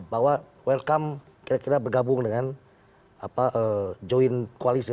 bahwa welcome kira kira bergabung dengan join koalisi